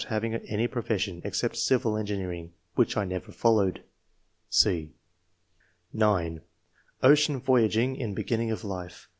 153 having any profession, except civil engineering, which I never followed/' (c) (9) " Ocean voyaging in beginning of life.